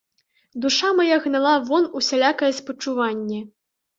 Душа мая гнала вон усялякае спачуванне.